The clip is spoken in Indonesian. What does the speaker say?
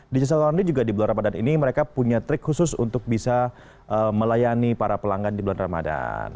digital laundry juga di bulan ramadan ini mereka punya trik khusus untuk bisa melayani para pelanggan di bulan ramadan